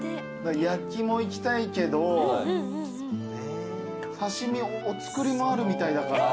焼きもいきたいけど刺し身お造りもあるみたいだから。